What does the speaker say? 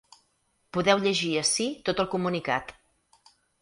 Podeu llegir ací tot el comunicat.